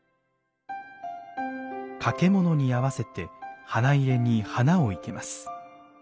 掛物に合わせて花入に花を生けます。